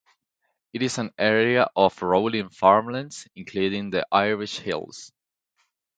It is an area of rolling farmland, including the Irish Hills.